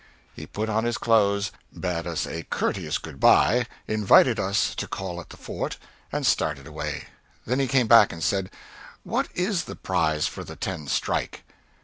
He put on his clothes, bade us a courteous good by, invited us to call at the Fort, and started away. Then he came back, and said, "What is the prize for the ten strike?"